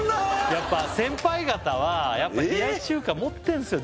やっぱ先輩方は冷やし中華持ってるんですよ